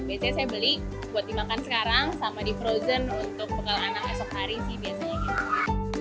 biasanya saya beli buat dimakan sekarang sama di frozen untuk begal anak esok hari sih biasanya gitu